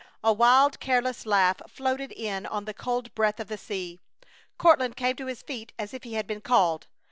A wild, careless laugh floated in on the cold breath of the sea. Courtland came to his feet as if he had been called!